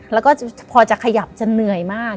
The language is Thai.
แล้วก็พอจะขยับจะเหนื่อยมาก